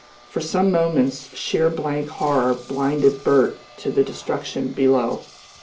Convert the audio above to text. For some moments sheer blank horror blinded Bert to the destruction below.